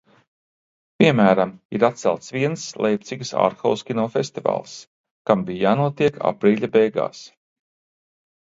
Piemēram, ir atcelts viens Leipcigas arthouse kino festivāls, kam bija jānotiek aprīļa beigās.